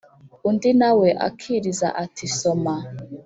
Undi na we akiriza ati “soma”.